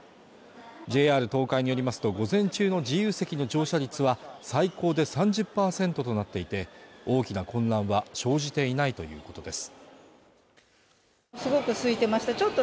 ＪＲ東海によりますと午前中の自由席の乗車率は最高で３０％となっていて大きな混乱は生じていないということです